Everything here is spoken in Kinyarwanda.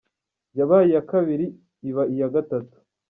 yabaye iya kabiri, iba iya gatatu.